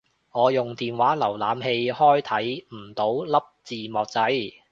我用電話瀏覽器開睇唔到粒字幕掣